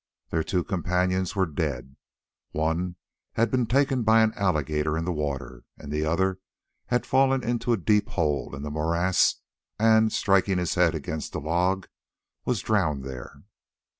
Their two companions were dead: one had been taken by an alligator in the water, and the other had fallen into a deep hole in the morass, and, striking his head against a log, was drowned there.